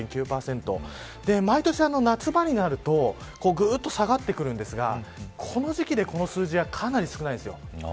毎年、夏場になるとぐっと下がってくるんですがこの時期でこの数字はかなり少ないんです。